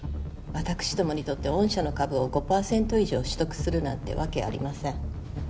私どもにとって御社の株を５％以上取得するなんてわけありません